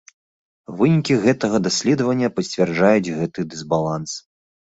Вынікі гэтага даследавання пацвярджаюць гэты дысбаланс.